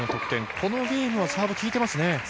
このゲームはサーブ効いていますね。